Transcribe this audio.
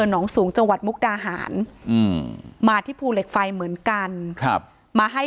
หนองสูงจังหวัดมุกดาหารมาที่ภูเหล็กไฟเหมือนกันครับมาให้